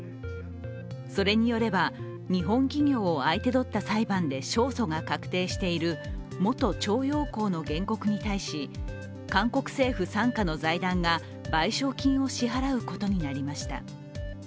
それによれば、日本企業を相手取った裁判で勝訴が確定している元徴用工の原告に対し韓国政府傘下の財団が賠償金を支払うことになりました。